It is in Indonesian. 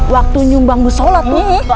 waktu nyumbang bu sholat bu